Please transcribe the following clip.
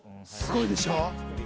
すごいでしょ？